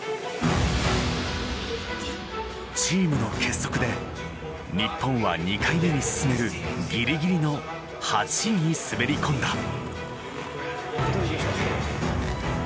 チームの結束で日本は２回目に進めるギリギリの８位に滑り込んだ。